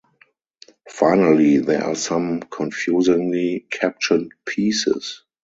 Finally, there are some confusingly captioned pieces.